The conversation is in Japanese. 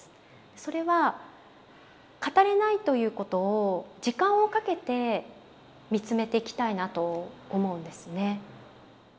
それは語れないということを時間をかけてみつめていきたいなと思うんですね。